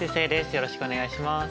よろしくお願いします。